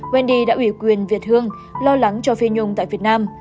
vendy đã ủy quyền việt hương lo lắng cho phi nhung tại việt nam